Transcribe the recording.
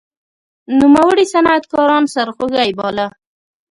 نوموړي صنعتکاران سرخوږی باله.